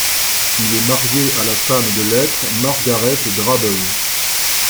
Il est marié à la femme de lettres Margaret Drabble.